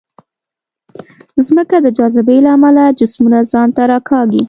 ځمکه د جاذبې له امله جسمونه ځان ته راکاږي.